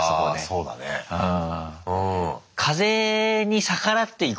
そうねうん。